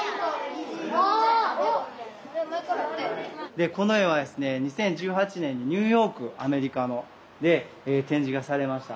でこの絵はですね２０１８年にニューヨークアメリカの。で展示がされました。